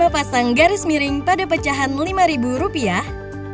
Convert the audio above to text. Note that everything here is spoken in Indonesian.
pasang garis miring pada pecahan lima ribu rupiah